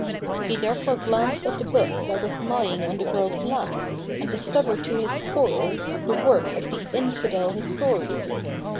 He therefore glanced at the book that was lying on the girl's lap, and discovered to his horror the work of the infidel historian.